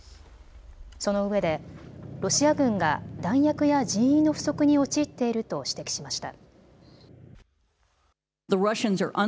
そのうえでロシア軍が弾薬や人員の不足に陥っていると指摘しました。